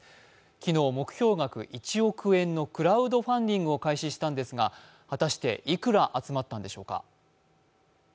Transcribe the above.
昨日、目標額１億円のクラウドファンディングを開始したんですが果たして、いくら集まったのでしょうか？